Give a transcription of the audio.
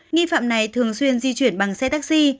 nghi phạm này thường xuyên di chuyển bằng xe taxi